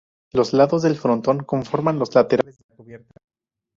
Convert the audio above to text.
Los lados del frontón conforman los laterales de la cubierta.